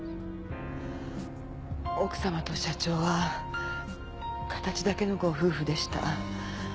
奥様と社長は形だけのご夫婦でした。